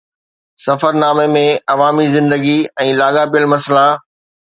سفرنامي ۾ عوامي زندگي ۽ لاڳاپيل مسئلا